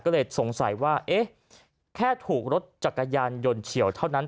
ก็เลยสงสัยว่าเอ๊ะแค่ถูกรถจักรยานยนต์เฉียวเท่านั้น